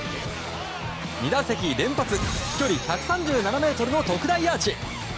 ２打席連発飛距離１３７ｍの特大アーチ。